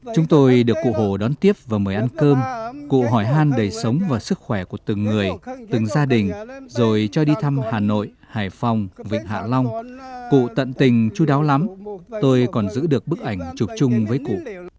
chúng tôi được cụ hồ đón tiếp và mời ăn cơm cụ hỏi han đời sống và sức khỏe của từng người từng gia đình rồi cho đi thăm hà nội hải phòng vịnh hạ long cụ tận tình chú đáo lắm tôi còn giữ được bức ảnh chụp chung với cụ